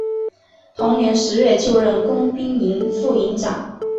同年十月就任工兵营副营长。